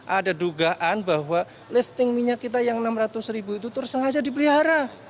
ada dugaan bahwa lifting minyak kita yang rp enam ratus ribu itu tersengaja dipelihara